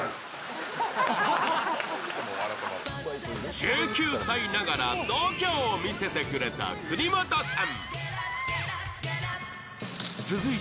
１９歳ながら度胸を見せてくれた国本さん。